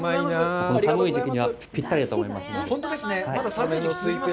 寒い時期にはぴったりだと思います。